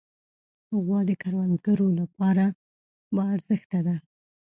غوا د کروندګرو لپاره باارزښته ده.